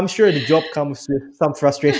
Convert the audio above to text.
pekerjaan ini juga memiliki frustrasi